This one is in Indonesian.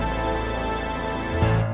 ambo harap antum